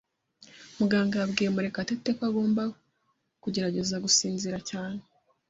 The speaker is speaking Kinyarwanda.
Muganga yabwiye Murekatete ko agomba kugerageza gusinzira cyane.